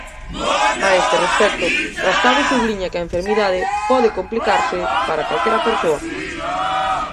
A este respecto, Rascado subliña que a enfermidade "pode complicarse" para calquera persoa.